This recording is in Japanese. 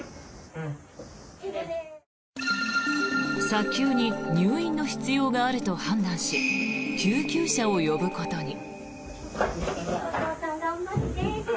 早急に入院の必要があると判断し救急車を呼ぶことに。